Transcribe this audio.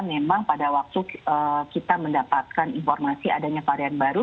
memang pada waktu kita mendapatkan informasi adanya varian baru